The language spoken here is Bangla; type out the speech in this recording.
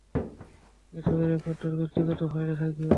এসবের রেকর্ড তোর ব্যক্তিগত ফাইলে থাকবে।